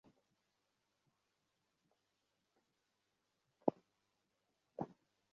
কিন্তু সেই আশায় পানি ঢেলে দিয়ে আবারও ব্যাটিং বিপর্যয়ের শিকার হলো বাংলাদেশ।